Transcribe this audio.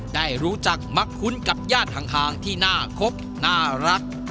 ได้รู้จักมักคุ้นกับญาติห่างที่น่าคบน่ารัก